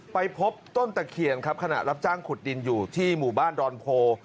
ไปพบต้นตะเคียนครับขณะรับจ้างขุดดินอยู่ที่หมู่บ้านดอนโพ